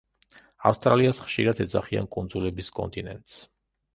ავსტრალიას ხშირად ეძახიან კუნძულების კონტინენტს.